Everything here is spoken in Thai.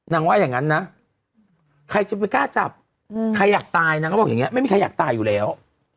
ว่าอย่างนั้นนะใครจะไปกล้าจับใครอยากตายนางก็บอกอย่างนี้ไม่มีใครอยากตายอยู่แล้ว